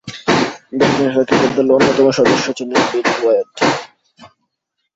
দক্ষিণ Africa cricket দলের অন্যতম সদস্য ছিলেন বিলি ওয়েড।